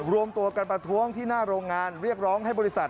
รวมตัวกันประท้วงที่หน้าโรงงานเรียกร้องให้บริษัท